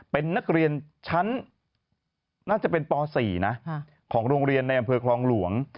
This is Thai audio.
เป็นนักเรียนชั้นน่าจะเป็นป๔นะของโรงเรียนในอำเภอคลองหลวง